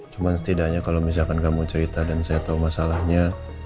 cuma setidaknya kalau misalkan kamu cerita dan saya tahu masalahnya